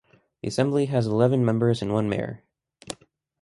The Assembly has eleven members and one mayor.